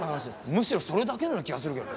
むしろそれだけのような気がするけどな。